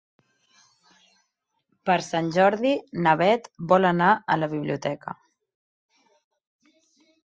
Per Sant Jordi na Bet vol anar a la biblioteca.